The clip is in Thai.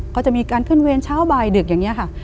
ก็จะมีการขึ้นเวรเช้าบ่ายดึกอย่างนี้ค่ะ